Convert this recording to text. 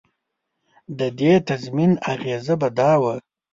د دې تضمین اغېزه به دا وه.